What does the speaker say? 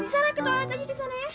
di sana ketualan aja di sana ya